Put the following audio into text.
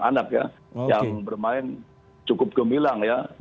anak ya yang bermain cukup gemilang ya